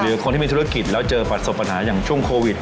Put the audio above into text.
คนที่มีธุรกิจแล้วเจอประสบปัญหาอย่างช่วงโควิด